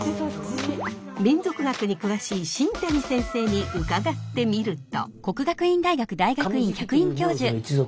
民俗学に詳しい新谷先生に伺ってみると。